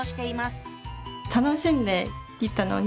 楽しんで行ったのに。